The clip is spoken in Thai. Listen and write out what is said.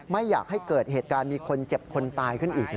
ไม่อยากให้เกิดเหตุการณ์มีคนเจ็บคนตายขึ้นอีก